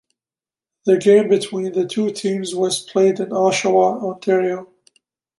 The game between the two teams was played in Oshawa, Ontario.